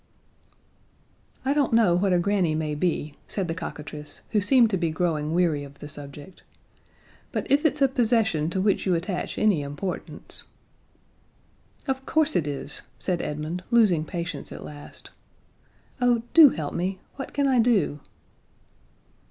"I don't know what a granny may be," said the cockatrice, who seemed to be growing weary of the subject, "but if it's a possession to which you attach any importance " "Of course it is," said Edmund, losing patience at last. "Oh do help me. What can I do?"